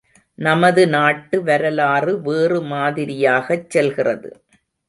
நமது நாட்டு வரலாறு வேறு மாதிரியாகச் செல்கிறது.